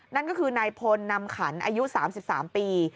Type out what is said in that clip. นั่นก็คือนายพลนำขันอายุ๓๓ปี